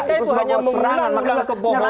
itu hanya mengundang kebohongan